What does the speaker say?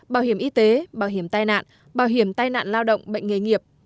bảo hiểm y tế bảo hiểm tai nạn bảo hiểm tai nạn lao động bệnh nghề nghiệp